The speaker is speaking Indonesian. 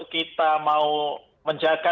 kita mau menjaga